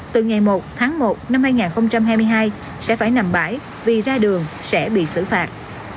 từ ngày một tháng một năm hai nghìn hai mươi hai sẽ phải nằm bãi vì ra đường sẽ bị xử phạt